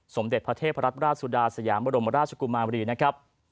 สมเด็จพระเทพรัตนราชสุดาสยามบรมราชกุมารีนะครับ